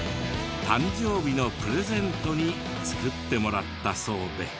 誕生日のプレゼントに作ってもらったそうで。